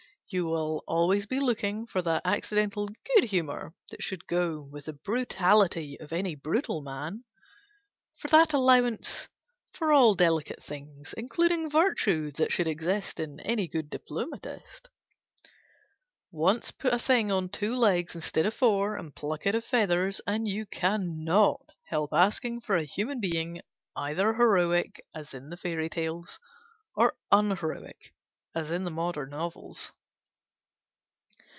You will always be looking for that accidental good humour that should go with the brutality of any brutal man; for that allowance for all delicate things, including virtue, that should exist in any good diplomatist. Once put a thing on two legs instead of four and pluck it of feathers and you cannot help asking for a human being, either heroic, as in the fairy tales, or un heroic, as in the modern novels.